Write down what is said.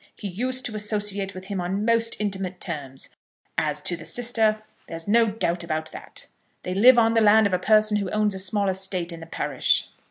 He used to associate with him on most intimate terms. As to the sister; there's no doubt about that. They live on the land of a person who owns a small estate in the parish."